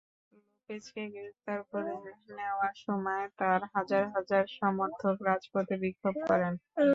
লোপেজকে গ্রেপ্তার করে নেওয়ার সময় তাঁর হাজার হাজার সমর্থক রাজপথে বিক্ষোভ করেন।